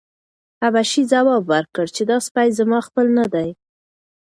حبشي ځواب ورکړ چې دا سپی زما خپل نه دی.